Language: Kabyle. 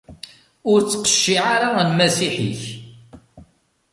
Ur ttqecciɛ ara lmasiḥ-ik.